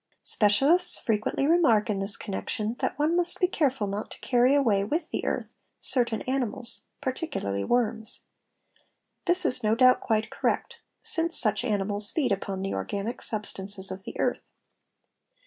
Specialists frequently remark in this connection, that one must be careful not to carry away, with the earth, certain animals, particularly worms. This is no doubt quite correct since such animals feed upon the organic substances of the earth.